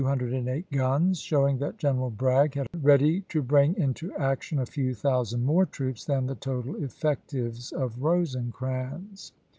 ^^f^fi" And he had 208 guns ; showing that General Bragg p "'3 ' had ready to bring into action a few thousand more troops than the total effectives of Rosecrans.